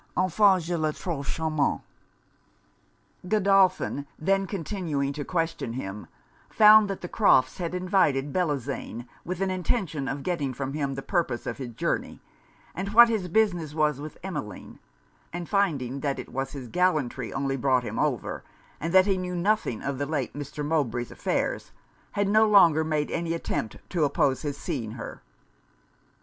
Enfin je la trouve charmante._' Godolphin then continuing to question him, found that the Crofts' had invited Bellozane with an intention of getting from him the purpose of his journey, and what his business was with Emmeline; and finding that it was his gallantry only brought him over, and that he knew nothing of the late Mr. Mowbray's affairs, had no longer made any attempt to oppose his seeing her.